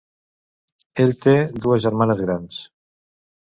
Ell té dues germanes grans.